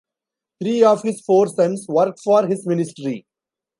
Three of his four sons work for his ministry.